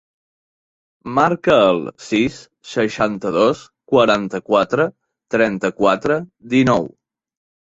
Marca el sis, seixanta-dos, quaranta-quatre, trenta-quatre, dinou.